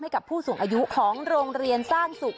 ให้กับผู้สูงอายุของโรงเรียนสร้างสุข